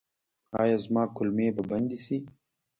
ایا زما کولمې به بندې شي؟